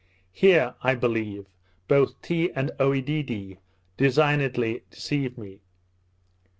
Here, I believe, both Tee and Oedidee designedly deceived me.